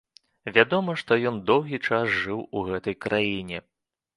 Вядома, што ён доўгі час жыў у гэтай краіне.